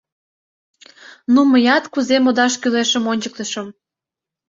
Ну, мыят кузе модаш кӱлешым ончыктышым.